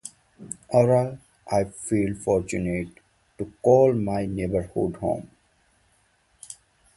Overall, I feel fortunate to call my neighborhood home.